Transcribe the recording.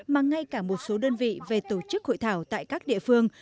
mà ngay cả một số đơn vị về tổ chức hội thảo tại các địa phương